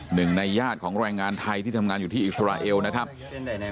หนึ่งในญาติของแรงงานไทยที่ทำงานอยู่ที่อิสราเอลนะครับ